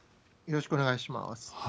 よろしくお願いします。